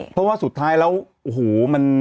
เพราะว่าสุดท้ายแล้วโอ้โหมัน